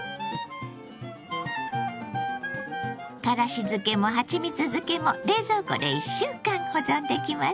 からし漬けもはちみつ漬けも冷蔵庫で１週間保存できます。